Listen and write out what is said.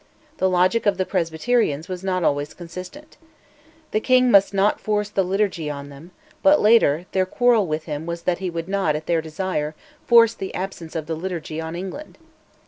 The logic of the Presbyterians was not always consistent. The king must not force the Liturgy on them, but later, their quarrel with him was that he would not, at their desire, force the absence of the Liturgy on England.